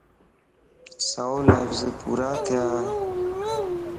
سو لفظ پورا ٿيانَ